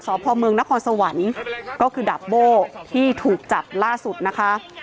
สพเมืองนครสวรรค์ก็คือดาบโบ้ที่ถูกจับล่าสุดนะคะ